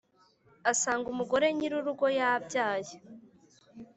asanga umugore nyirurugo yabyaye,